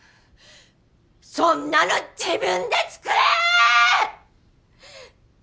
そんなの自分で作れーっ！！